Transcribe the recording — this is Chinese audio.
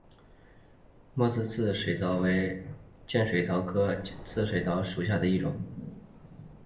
莫氏刺剑水蚤为剑水蚤科刺剑水蚤属下的一个种。